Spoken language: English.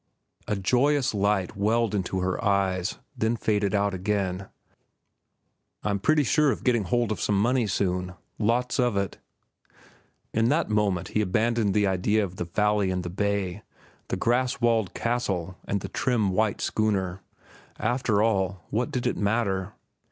(A joyous light welled into her eyes, then faded out again.) "I'm pretty sure of getting hold of some money soon—lots of it." In that moment he abandoned the idea of the valley and the bay, the grass walled castle and the trim, white schooner. After all, what did it matter?